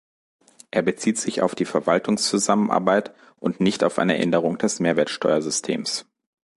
Er bezieht sich auf die Verwaltungszusammenarbeit und nicht auf eine Änderung des Mehrwertsteuersystems.